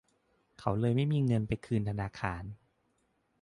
เขาเลยไม่มีเงินไปคืนธนาคาร